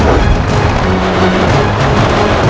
apa hebatnya ini